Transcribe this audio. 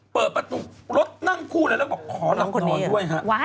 เปิดประตูรถนั่งคู่เลยแล้วบอกขอหลับนอนด้วยฮะ